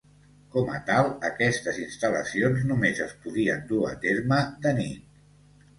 Com a tal, aquestes instal·lacions només es podien dur a terme de nit.